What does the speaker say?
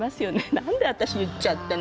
なんで私言っちゃったの？